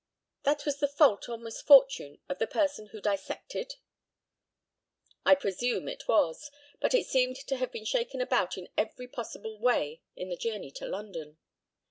That was the fault or misfortune of the person who dissected? I presume it was; but it seemed to have been shaken about in every possible way in the journey to London.